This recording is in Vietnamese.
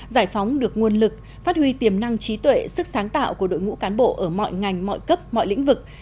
giải phóng được nguồn lực phát huy tiềm năng trí tuệ sức sáng tạo của đội ngũ cán bộ ở mọi ngành mọi cấp mọi lĩnh vực